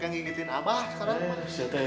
yang gigitin abah sekarang